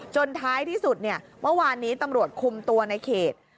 ท้ายที่สุดเนี่ยเมื่อวานนี้ตำรวจคุมตัวในเขต